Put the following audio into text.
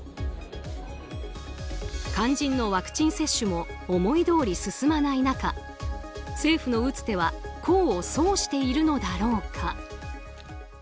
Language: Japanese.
肝心のワクチン接種も思いどおり進まない中政府の打つ手は功を奏しているのだろうか。